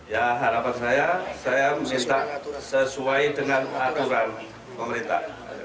ya harapan saya saya mencintai sesuai dengan aturan pemerintah